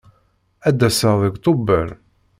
Ad d-aseɣ deg Tubeṛ.